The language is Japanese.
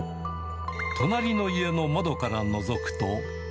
隣の家の窓からのぞくと。